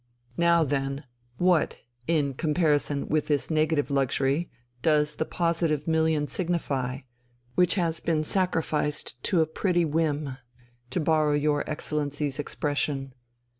Now then, what, in comparison with this negative luxury, does the positive million signify, which has been sacrificed to a pretty whim, to borrow your Excellency's expression?